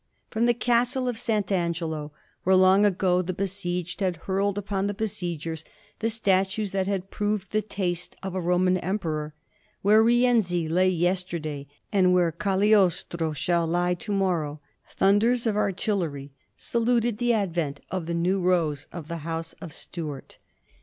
From the Castle of St. Angelo, where long ago the be sieged had hurled upon the besiegers the statues that had proved the taste of a Roman emperor, where Rienzi lay yesterday, and where Cagliostro shall lie to morrow, thun ders of artillery saluted the advent of the new rose of the House of Stuart.